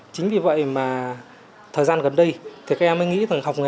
chính vì vậy mà thời gian gần đây thì các em mới nghĩ rằng học nghề